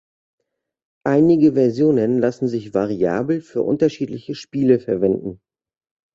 Einige Versionen lassen sich variabel für unterschiedliche Spiele verwenden.